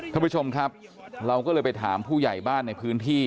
ท่านผู้ชมครับเราก็เลยไปถามผู้ใหญ่บ้านในพื้นที่